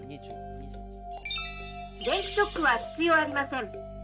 「電気ショックは必要ありません」。